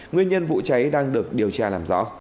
nguyên nhân vụ cháy đang được điều tra làm rõ